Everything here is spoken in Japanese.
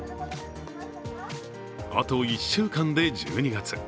あと１週間で１２月。